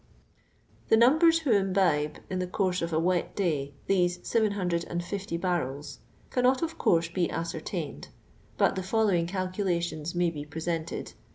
The numbers who imbibe, in the course of a wet day, these 750 barrels, cannot, of course, be ascertained, but the following calculations may be presented.